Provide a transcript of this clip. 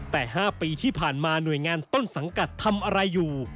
แต่๕ปีที่ผ่านมาหน่วยงานต้นสังกัดทำอะไรอยู่